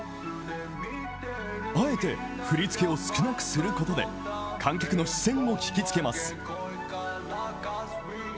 あえて振り付けを少なくすることで観客の視線を引き付けます。